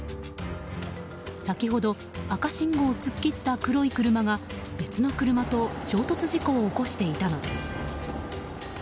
先ほど、赤信号を突っ切った黒い車が別の車と衝突事故を起こしていたのです。